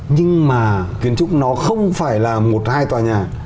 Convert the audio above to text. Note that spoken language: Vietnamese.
nhưng mà kiến trúc nó không phải là một hai tòa nhà